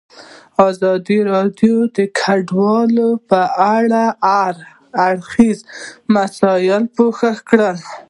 ازادي راډیو د کډوال په اړه د هر اړخیزو مسایلو پوښښ کړی.